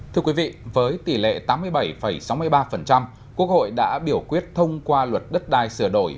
thưa quý vị với tỷ lệ tám mươi bảy sáu mươi ba quốc hội đã biểu quyết thông qua luật đất đai sửa đổi